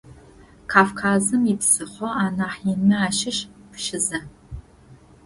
Кавказым ипсыхъо анахь инмэ ащыщ Пшызэ.